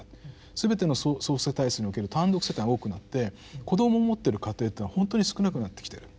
すべての総世帯数における単独世帯が多くなって子どもを持ってる家庭っていうのはほんとに少なくなってきてる。